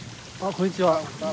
こんにちは。